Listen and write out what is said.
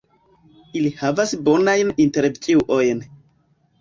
Ili havas bonajn intervjuojn.